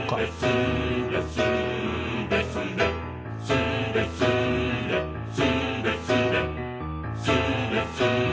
「スーレスレ」「スレスレスーレスレ」「スレスレ」